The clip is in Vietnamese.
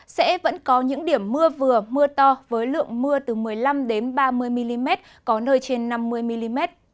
sẽ vẫn có những điểm mưa vừa mưa to với lượng mưa từ một mươi năm ba mươi mm có nơi trên năm mươi mm